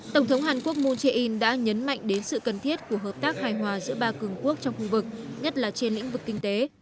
tổng thống hàn quốc moon jae in đã nhấn mạnh đến sự cần thiết của hợp tác hài hòa giữa ba cường quốc trong khu vực nhất là trên lĩnh vực kinh tế